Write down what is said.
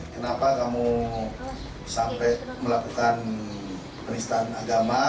kenapa kamu sampai melakukan penistaan agama